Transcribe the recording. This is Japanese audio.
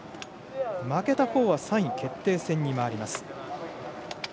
負けたほうは３位決定戦に回ります。